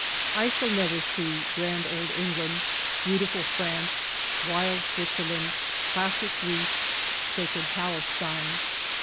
I shall never see grand old England, beau tiful France, wild Switzerland, classic Greece, sacred Pales tine.